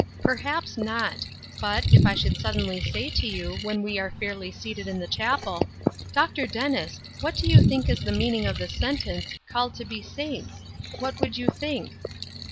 " Perhaps not. But, if I should suddenly say to you, when we are fairly seated in the chapel, ' Dr. Dennis, what do you think is the meaning of the sentence — Called to be saints f ' what would you think